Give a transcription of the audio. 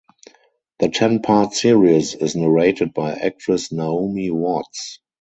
The ten part series is narrated by actress Naomi Watts.